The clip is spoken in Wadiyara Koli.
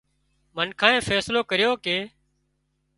منکانئين فيصلو ڪريو ڪي